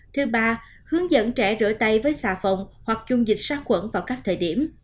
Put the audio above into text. thứ ba hướng dẫn trẻ rửa tay với xà phộng hoặc dung dịch sát khuẩn vào các thời điểm